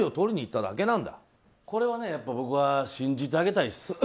これは僕は信じてあげたいです。